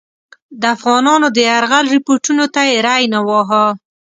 د افغانانو د یرغل رپوټونو ته یې ری نه واهه.